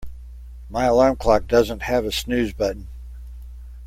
My alarm clock doesn't have a snooze button.